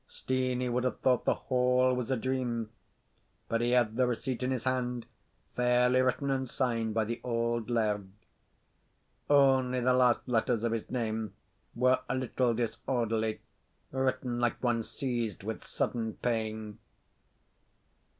Steenie would have thought the whole was a dream, but he had the receipt in his hand fairly written and signed by the auld laird; only the last letters of his name were a little disorderly, written like one seized with sudden pain.